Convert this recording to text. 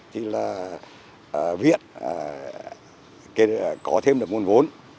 thì là viện có thêm được nguồn vốn